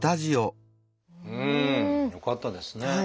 うん！よかったですね。